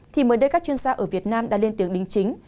thì mới đây các chuyên gia ở việt nam đã lên tiếng đính chính